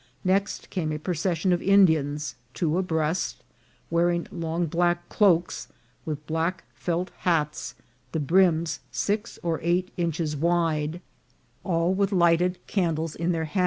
Next came a procession of Indians, two abreast, wearing long black cloaks, with black felt hats, the brims six or eight inches wide, all with lighted candles in their 216 INCIDENTS OF TRAVEL.